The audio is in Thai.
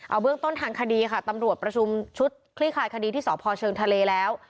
เอาเบื้องต้นทางคดีค่ะตำรวจประชุมชุดคลี่คลายคดีที่สพเชิงทะเลแล้ว